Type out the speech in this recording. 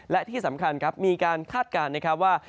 และที่สำคัญมีการคาดการณ์ว่า